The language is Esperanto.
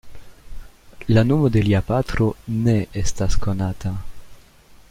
La nomo de lia patro ne estas konata.